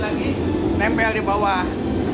lagi nempel di bawah